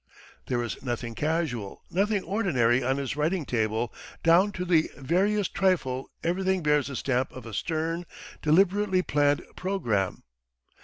There is nothing casual, nothing ordinary on his writing table, down to the veriest trifle everything bears the stamp of a stern, deliberately planned programme.